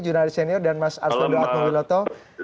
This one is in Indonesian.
jurulatih senior dan mas arslan doatmo wiloto